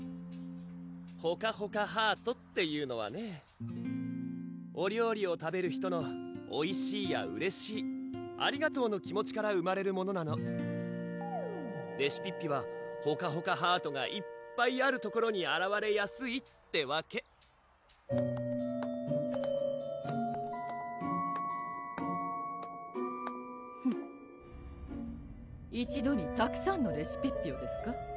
ほかほかハートっていうのはねお料理を食べる人の「おいしい」や「うれしい」「ありがとう」の気持ちから生まれるものなのレシピッピはほかほかハートがいっぱいある所にあらわれやすいってわけフン一度にたくさんのレシピッピをですか？